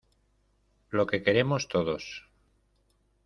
lo que queremos todos: